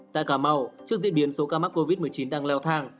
tại cà mau trước diễn biến số ca mắc covid một mươi chín đang leo thang